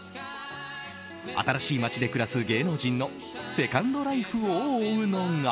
新しい街で暮らす芸能人のセカンドライフを追うのが。